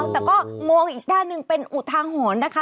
แต่ก็มองอีกด้านหนึ่งเป็นอุทาหรณ์นะคะ